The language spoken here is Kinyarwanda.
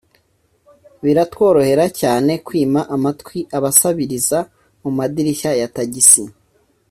Biratworohera cyane kwima amatwi abasabiriza mu madirishya ya tagisi